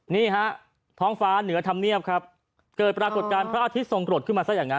นี่ฮะท้องฟ้าเหนือธรรมเนียบครับเกิดปรากฏการณ์พระอาทิตยทรงกรดขึ้นมาซะอย่างนั้น